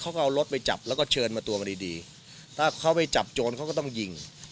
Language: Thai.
เขาก็เอารถไปจับแล้วก็เชิญมาตัวมาดีดีถ้าเขาไปจับโจรเขาก็ต้องยิง